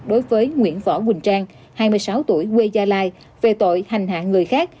đối với nguyễn võ quỳnh trang hai mươi sáu tuổi quê gia lai về tội hành hạ người khác